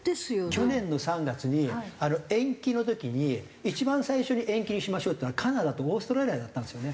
去年の３月に延期の時に一番最初に延期にしましょうって言ったのはカナダとオーストラリアだったんですよね。